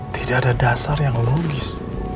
tidak ada dasar yang logis